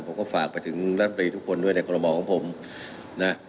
ผมก็ฝากไปถึงรัฐมนตรีทุกคนด้วยในคอลโมของผมนะ